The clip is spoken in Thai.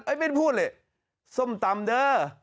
เอ้ยไม่ได้พูดเลยส้มตำเด้อ